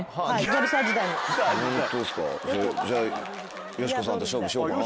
じゃあよしこさんと勝負しようかな。